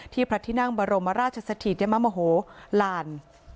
ที่พระทินังบรมราชสถิตย์ยะมะโมโหลาล